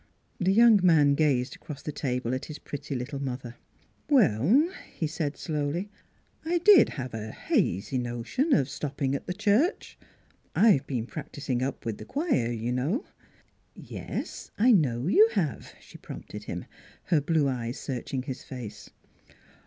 The young man gazed across the table at his pretty little mother. " Well," he said slowly, " I did have a hazy notion of stopping at the church. I've been prac ticing up with the choir, you know." ' Yes, I know you have," she prompted him, her blue eyes searching his face.